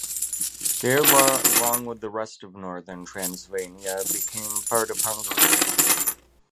Gherla along with the rest of northern Transylvania became part of Hungary.